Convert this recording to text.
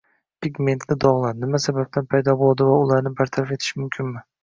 Pigmentli dog‘lar: nima sababdan paydo bo‘ladi va ularni bartaraf etish mumkinmi?